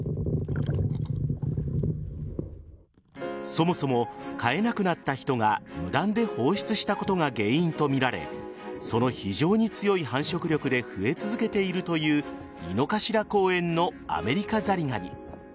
そもそも飼えなくなった人が無断で放出したことが原因とみられその非常に強い繁殖力で増え続けているという井の頭公園のアメリカザリガニ。